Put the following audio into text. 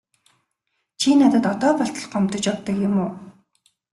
Чи надад одоо болтол гомдож явдаг юм уу?